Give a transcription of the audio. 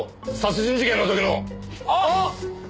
あっ！